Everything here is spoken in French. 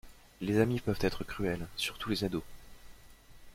Les amis peuvent être cruels, surtout les ados.